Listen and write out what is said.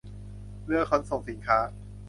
เรือขนส่งสินค้า